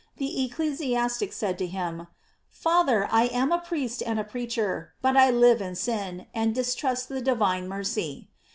The ecclesiastic said to him: "Father, I am a priest and a preacher, but I live in sin, and distrust the divine mercy.